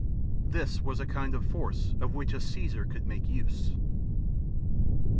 This was the kind of force of which a Caesar could make use.